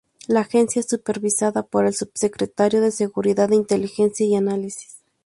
La agencia es supervisada por el Subsecretario de Seguridad de Inteligencia y Análisis.